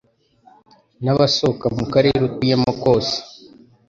n'abasohoka mu Karere atuyemo kose